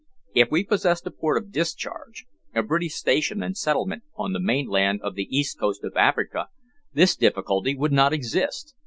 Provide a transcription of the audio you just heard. If we possessed a port of discharge a British station and settlement on the mainland of the east coast of Africa, this difficulty would not exist.